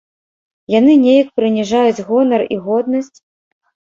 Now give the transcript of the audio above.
Яны неяк прыніжаюць гонар і годнасць?